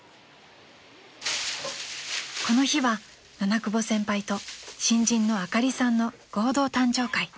［この日は七久保先輩と新人のあかりさんの合同誕生会］